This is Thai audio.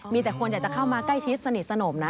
มีแต่คนอยากจะเข้ามาใกล้ชิดสนิทสนมนะ